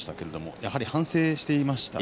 やはり反省していましたね。